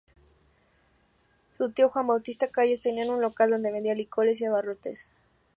Su tío, Juan Bautista Calles, tenía un local donde vendía licores y abarrotes.